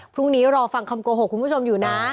พรุ่งนี้รอฟังคำโกหกคุณผู้ชมอยู่นะ